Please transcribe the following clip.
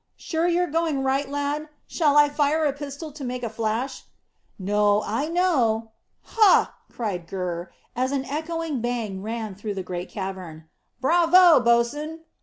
Sure you're going right, lad? Shall I fire a pistol to make a flash?" "No; I know." "Hah!" cried Gurr, as an echoing bang ran through the great cavern. "Bravo, bo's'n!"